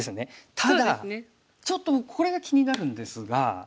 ただちょっと僕これが気になるんですが。